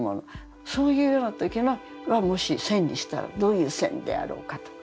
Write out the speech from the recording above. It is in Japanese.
そういうような時はもし線にしたらどういう線であろうかとか。